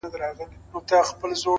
• چي ته نه کړې اندېښنه زما د زامنو ,